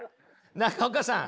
中岡さん